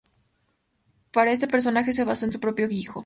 Para este personaje se basó en su propio hijo.